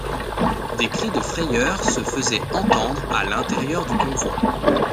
Des cris de frayeur se faisaient entendre à l’intérieur du convoi.